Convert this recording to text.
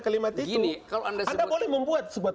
kalimat itu kalau anda boleh membuat sebuah